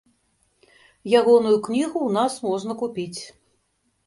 Ягоную кнігу ў нас можна купіць.